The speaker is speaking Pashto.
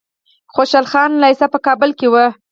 خوشحال خان لیسه په کابل کې وه.